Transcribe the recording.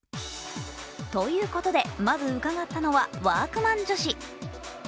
ということでまず伺ったのはワークマン女子。